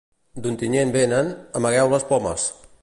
D'Ontinyent venen: amagueu les pomes!